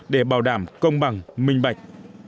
để bảo đảm công bằng minh bạch